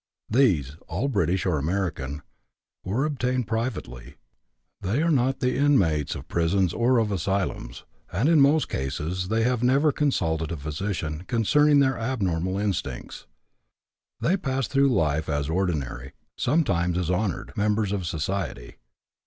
These all British or American were obtained privately; they are not the inmates of prisons or of asylums, and in most cases they have never consulted a physician concerning their abnormal instincts. They pass through life as ordinary, sometimes as honored, members of society.